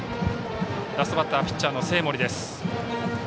ラストバッターはピッチャーの生盛です。